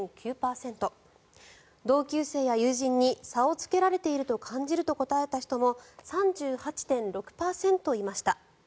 同級生や友人に差をつけられていると感じると答えた人も３８．６％いました。